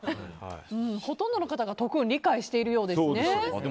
ほとんどの方がトクンを理解しているようですね。